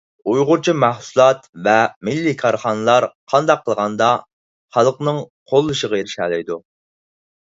ئۇيغۇرچە مەھسۇلات ۋە مىللىي كارخانىلار قانداق قىلغاندا خەلقنىڭ قوللىشىغا ئېرىشەلەيدۇ؟